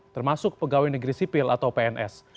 termasuk pegawai negeri sipil atau pns